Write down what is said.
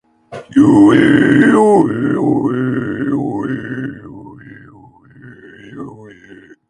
Hala ere, hiri hau estatus bereziko entitate administratibo autonomoa da.